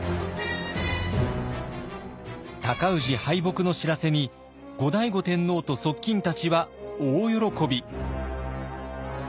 尊氏敗北の知らせに後醍醐天皇と側近たちは大喜び。